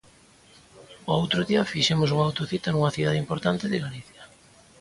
O outro día fixemos unha autocita nunha cidade importante de Galicia.